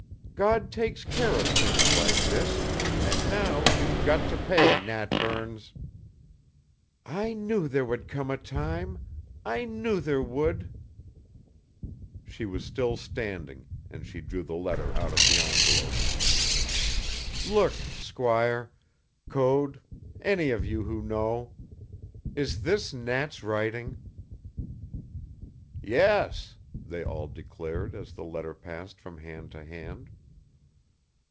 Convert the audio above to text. God takes care of things like this, and now you've got to pay, Nat Burns! I knew there would come a time. I knew there would!" She was still standing, and she drew the letter out of the envelope. "Look, squire, Code, any of you who know. Is this Nat's writing?" "Yes," they all declared as the letter passed from hand to hand.